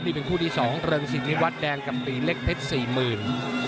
นี่เป็นคู่ที่๒เริงสินนิวัตรแดงกับปีเล็กเพชรสี่หมื่น